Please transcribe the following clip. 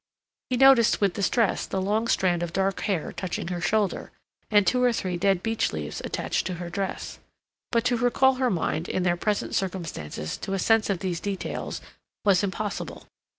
He noticed with distress the long strand of dark hair touching her shoulder and two or three dead beech leaves attached to her dress; but to recall her mind in their present circumstances to a sense of these details was impossible.